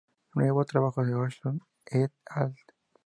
Nuevo trabajo de Ohlson "et al".